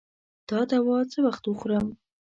دا دوا څه وخت وخورم؟